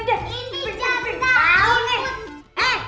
ini jatah imut